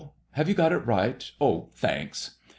Have you got it right ? Oh, thanks."